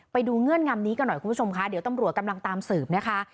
เงื่อนงำนี้กันหน่อยคุณผู้ชมค่ะเดี๋ยวตำรวจกำลังตามสืบนะคะ